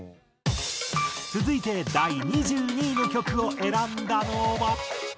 続いて第２２位の曲を選んだのは。